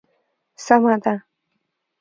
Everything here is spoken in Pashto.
سمه ده.